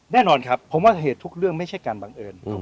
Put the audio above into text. แน่นอนครับผมว่าเหตุทุกเรื่องไม่ใช่การบังเอิญ